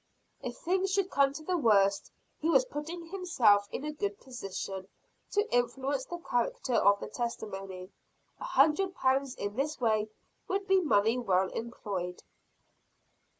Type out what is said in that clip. If things should come to the worst, he was putting himself in a good position to influence the character of the testimony. A hundred pounds in this way would be money well employed.